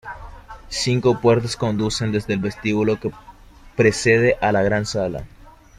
Cinco puertas conducen desde el vestíbulo que precede a la gran sala.